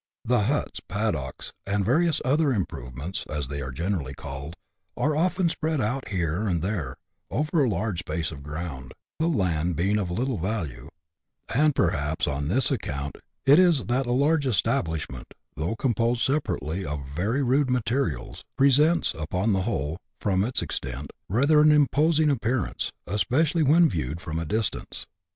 The huts, paddocks, and various other " improve ments," as they are generally called, are often spread out here and there, over a large space of ground, the land being of little value ; and perhaps on this account it is, that a large establish ment, though composed separately of very rude materials, pre sents, upon the whole, from its extent, rather an imposing appearance, especially when viewed from a distance.